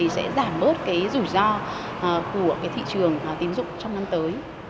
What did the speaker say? sẽ giảm bớt rủi ro của thị trường tiến dụng trong năm tới